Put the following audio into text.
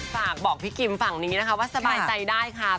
ฝากบอกพี่กิมฝั่งนี้นะคะว่าสบายใจได้ค่ะ